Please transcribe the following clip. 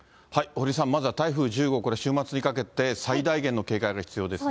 堀さん、まずは台風１０号、これ、週末にかけて最大限の警戒が必要ですね。